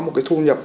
một cái thu nhập